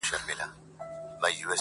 • اشنـا په دې چــلو دي وپوهـېدم.